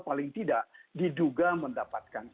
paling tidak diduga mendapatkan